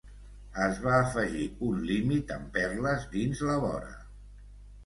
Es va afegir un límit amb perles dins la vora.